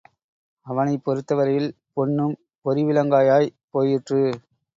அவனைப் பொறுத்தவரையில் பொன்னும் பொரிவிளங்காயாய்ப் போயிற்று.